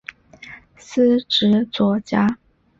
司职左闸。